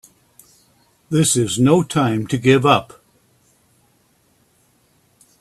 This is no time to give up!